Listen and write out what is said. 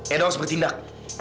edo harus bertindak